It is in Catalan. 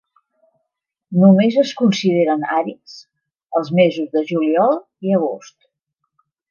Només es consideren àrids els mesos de juliol i agost.